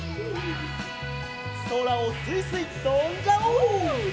そらをスイスイとんじゃおう！